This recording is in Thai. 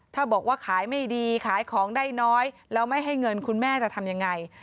ถ้าบอกว่าขายไม่ดีขายของได้น้อยแล้วไม่ให้เงินคุณแม่จะทำยังไง